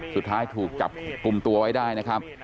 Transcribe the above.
สุดท้ายถูกจับกลุ่มตัวไว้ได้นะครับ